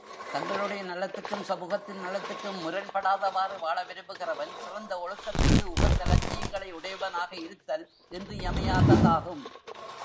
தங்களுடைய நலத்துக்கும் சமூகத்தின் நலத்துக்கும் முரண்படாதவாறு வாழ விரும்புகிறவன் சிறந்த ஒழுக்கத்துக்கு உகந்த லட்சியங்களை உடையவனாக இருத்தல் இன்றியமையாததாகும்.